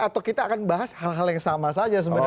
atau kita akan bahas hal hal yang sama saja sebenarnya